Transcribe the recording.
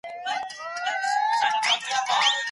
د مذهب ازادي په نړیوال قانون کي شامله ده.